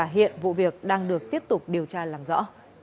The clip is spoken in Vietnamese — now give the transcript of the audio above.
hiện vụ việc đang được tiếp tục điều tra làm rõ